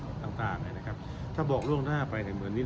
อันนั้นเป็นการตั้งข้อและแวงกันมากเกินไป